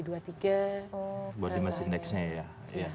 buat dimasukin nextnya ya